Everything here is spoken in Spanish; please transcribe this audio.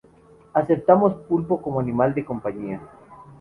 Aceptamos pulpo como animal de compañía